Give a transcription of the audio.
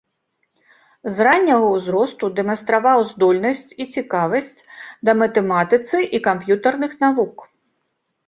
З ранняга ўзросту дэманстраваў здольнасць і цікавасць да матэматыцы і камп'ютарных навук.